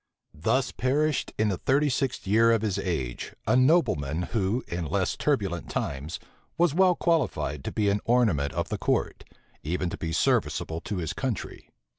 Thus perished, in the thirty sixth year of his age, a nobleman who, in less turbulent times, was well qualified to be an ornament of the court, even to be serviceable to his country.